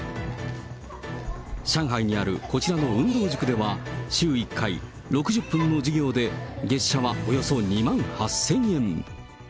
上海にあるこちらの運動塾では、週１回６０分の授業で、月謝はおよそ２万８０００円。